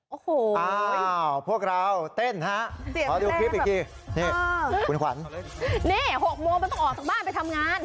โอ้โหพวกเราเต้นฮะขอดูคลิปอีกทีนี่คุณขวัญนี่๖โมงมันต้องออกจากบ้านไปทำงาน